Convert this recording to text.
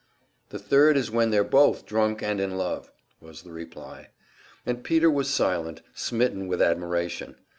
"The third is when they're both drunk and in love," was the reply. And Peter was silent, smitten with admiration.